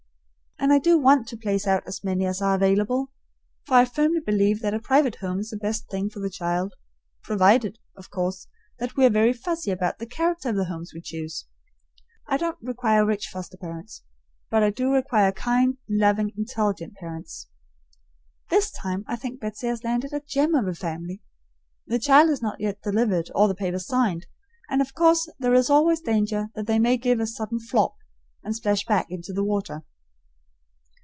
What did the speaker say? And I do want to place out as many as are available, for I firmly believe that a private home is the best thing for the child, provided, of course, that we are very fussy about the character of the homes we choose. I don't require rich foster parents, but I do require kind, loving, intelligent parents. This time I think Betsy has landed a gem of a family. The child is not yet delivered or the papers signed, and of course there is always danger that they may give a sudden flop, and splash back into the water.